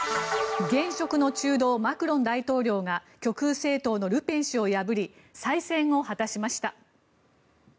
現職の中道、マクロン大統領が極右政党のルペン氏を破り再選を果たしました。